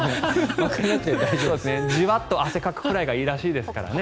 じわっと汗をかくくらいがいいらしいですからね。